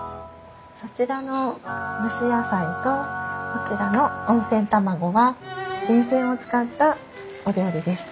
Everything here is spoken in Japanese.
そちらの蒸し野菜とこちらの温泉卵は源泉を使ったお料理です。